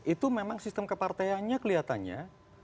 itu memang sistem keparteannya kelihatannya